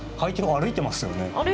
歩いてますね。